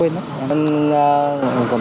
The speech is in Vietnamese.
nên chơi chung thu